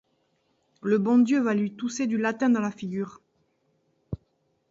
Le bon Dieu va lui tousser du latin dans la figure!